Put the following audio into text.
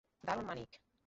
দারুণ, মানিক!